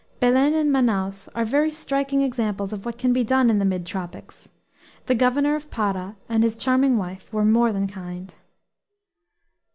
Belen and Manaos are very striking examples of what can be done in the mid tropics. The governor of Para and his charming wife were more than kind.